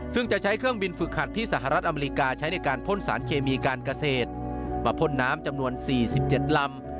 ซึ่งจะใช้เครื่องบินฝึกขัดที่สหรัฐอเมริกาใช้ในการพ่นสารเคมีการเกษตรมาพ่นน้ำจำนวน๔๗ลำ